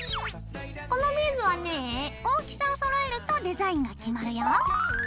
このビーズはねぇ大きさをそろえるとデザインが決まるよ。